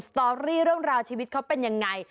สตอรี่เรื่องราวชีวิตเขาเป็นยังไง